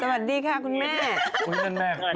สวัสดีค่ะคุณแม่